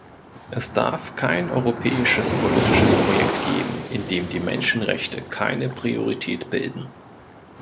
Es darf kein europäisches politisches Projekt geben, in dem die Menschenrechte keine Priorität bilden.